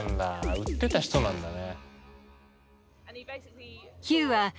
売ってた人なんだね。